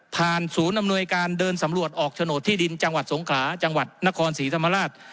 ศูนย์อำนวยการเดินสำรวจออกโฉนดที่ดินจังหวัดสงขลาจังหวัดนครศรีธรรมราช